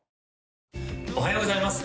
おはようございます